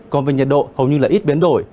còn về nhiệt độ hầu như là ít biến đổi